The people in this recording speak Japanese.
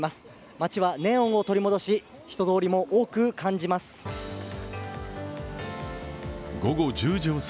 街はネオンを取り戻し、人通りも多く感じます。